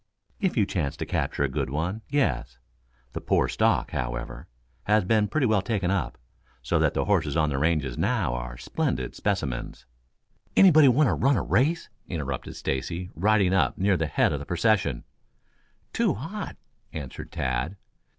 "If you chanced to capture a good one, yes. The poor stock, however, has been pretty well taken up, so that the horses on the ranges now are splendid specimens." "Anybody want to run a race?" interrupted Stacy, riding up near the head of the procession. "Too hot," answered Tad.